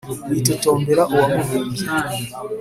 witotombera uwamubumbye!